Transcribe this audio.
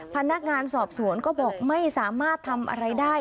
พนักงานสอบสวนก็บอกไม่สามารถทำอะไรได้